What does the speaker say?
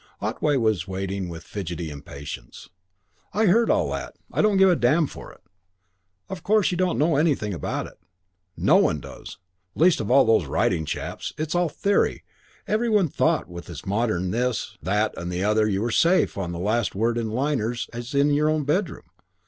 Otway was waiting with fidgety impatience. "I've heard all that. I don't give a damn for it. Of course you don't know anything about it. No one does. Least of all those writing chaps. It's all theory. Every one thought that with modern this, that and the other you were as safe on the last word in liners as in your own bedroom.